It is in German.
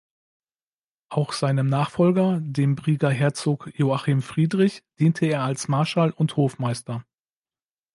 Auch seinem Nachfolger, dem Brieger Herzog Joachim Friedrich, diente er als Marschall und Hofmeister.